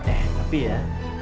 eh tapi ya